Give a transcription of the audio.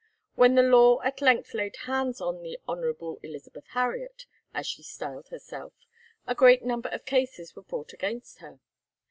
When the law at length laid hands on the Hon. Elizabeth Harriet, as she styled herself, a great number of cases were brought against her.